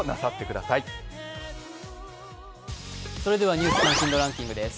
「ニュース関心度ランキング」です。